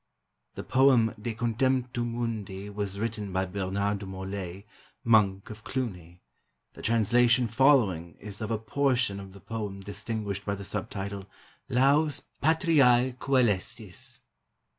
[The poem De Contemptu Mundi was written by Bernard de Morlaix, Monk of Cluni. The translation following is of a portion of the poem distinguished by the sub title " Laus Patriae Coelestis."